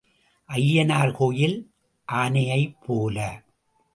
ஐயனார் கோயில் ஆனையைப் போல.